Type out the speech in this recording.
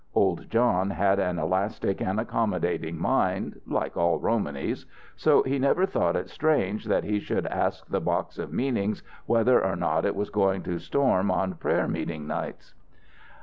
Old John had an elastic and accommodating mind, like all Romanys, so he never thought it strange that he should ask the "box of meanings" whether or not it was going to storm on prayer meeting nights.